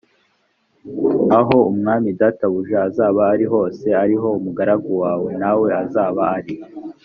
aho umwami databuja azaba ari hose ari ho umugaragu wawe na we azaba ari